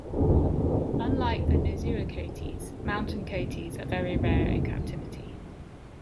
Unlike the "Nasua" coatis, mountain coatis are very rare in captivity.